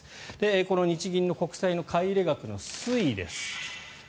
この日銀の国債の買い入れ額の推移です。